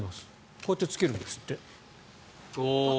こうやってつけるんですって。